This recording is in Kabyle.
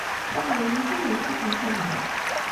D taqbaylit i m-yettaken tabɣest.